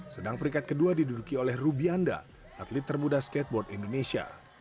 sedang peringkat kedua diduduki oleh rubi anda atlet terbudah skateboard indonesia